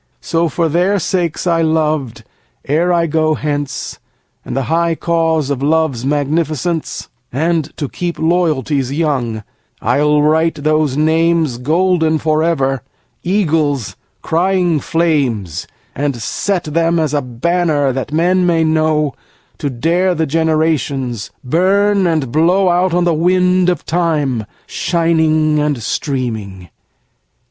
So, for their sakes I loved, ere I go hence, And the high cause of Love's magnificence, And to keep loyalties young, I'll write those names Golden for ever, eagles, crying flames, And set them as a banner, that men may know, To dare the generations, burn, and blow Out on the wind of Time, shining and streaming.